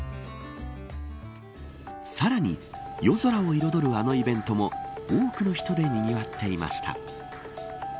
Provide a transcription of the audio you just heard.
さらに夜空を彩るあのイベントも多くの人でにぎわっていました。